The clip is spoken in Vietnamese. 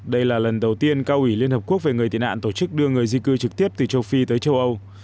đây là lần đầu tiên cao ủy liên hợp quốc về người tị nạn tổ chức đưa người di cư trực tiếp từ châu phi tới châu âu